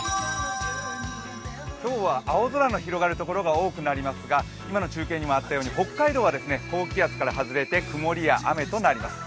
今日は青空の広がる所が多くなりますが、北海道は高気圧から外れて曇りや雨となります。